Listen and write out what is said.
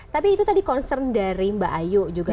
tapi itu tadi concern dari mbak ayu juga